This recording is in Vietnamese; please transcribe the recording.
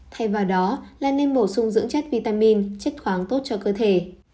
thay vào đó là nên bổ sung dưỡng chất vitamin chất khoáng tốt cho cơ thể